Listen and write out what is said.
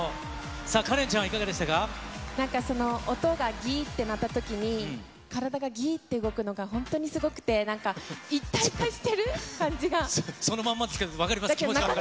さあ、カレンちゃん、いかがでしなんか、音がぎーって鳴ったときに、体がぎーって動くのが本当にすごくて、なんか、一体化してる感じそのまんまですけど、分かります、気持ちは分かります。